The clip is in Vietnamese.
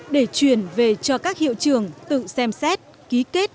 để truyền về cho các hiệu trường tự xem xét ký kết